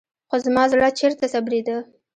خو زما زړه چېرته صبرېده.